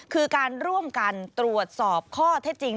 คือการร่วมกันตรวจสอบข้อเท็จจริง